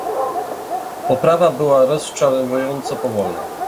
Poprawa była rozczarowująco powolna